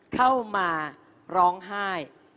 เข้ามาร้องไห้